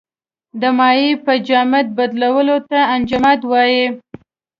د مایع په جامد بدلیدو ته انجماد وايي.